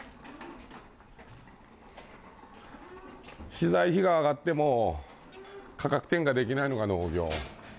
資材費が上がっても価格転嫁できないのが農業。